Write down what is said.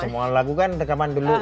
semua lagu kan rekaman dulu